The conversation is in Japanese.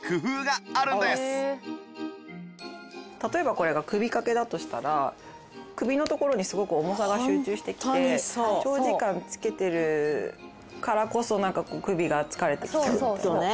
例えばこれが首掛けだとしたら首のところにすごく重さが集中してきて長時間つけてるからこそなんかこう首が疲れてきちゃうみたいな。